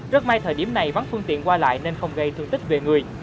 rất may thời điểm này vắng phương tiện qua lại nên không gây thương tích về người